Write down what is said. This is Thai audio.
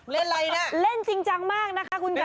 อะไรนะเล่นจริงจังมากนะคะคุณค่ะ